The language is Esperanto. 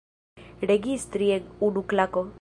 Registri en unu klako.